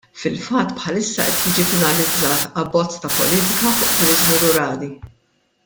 Fil-fatt bħalissa qed jiġi finalizzat abbozz ta' politika fuq turiżmu rurali.